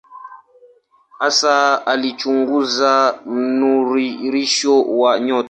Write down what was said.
Hasa alichunguza mnururisho wa nyota.